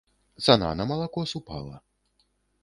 Цана на малако супала.